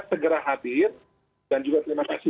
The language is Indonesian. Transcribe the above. segera hadir dan juga terima kasih